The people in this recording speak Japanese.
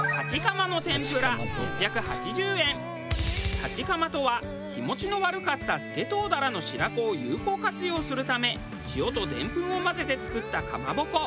たちかまとは日持ちの悪かったスケトウダラの白子を有効活用するため塩とでんぷんを混ぜて作ったかまぼこ。